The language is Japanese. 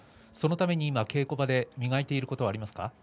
そのために今、稽古場で磨いていることはありますか。